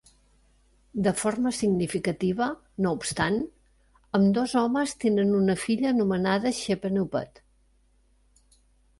De forma significativa, no obstant, ambdós homes tenen una filla anomenada Shepenupet.